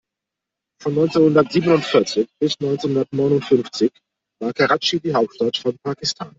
Von neunzehnhundertsiebenundvierzig bis neunzehnhundertneunundfünfzig war Karatschi die Hauptstadt von Pakistan.